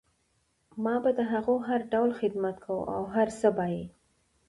ما به د هغو هر ډول خدمت کوه او هر څه به یې